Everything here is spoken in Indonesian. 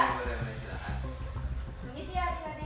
boleh ya saya ngempak pendukungnya ya